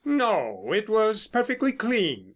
"No, it was perfectly clean."